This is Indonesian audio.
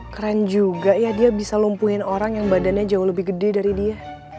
keren juga ya dia bisa lumpuhin orang yang badannya jauh lebih gede dari dia